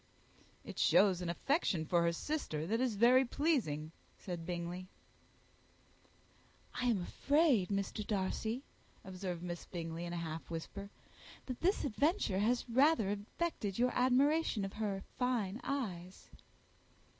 "It shows an affection for her sister that is very pleasing," said Bingley. "I am afraid, Mr. Darcy," observed Miss Bingley, in a half whisper, "that this adventure has rather affected your admiration of her fine eyes."